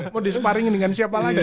mau di sparringin dengan siapa lagi